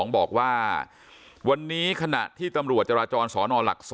บอกว่าวันนี้ขณะที่ตำรวจจราจรสนหลัก๒